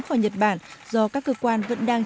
khỏi nhật bản do các cơ quan vẫn đang